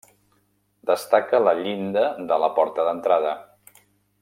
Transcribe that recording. Destaca la llinda de la porta d'entrada.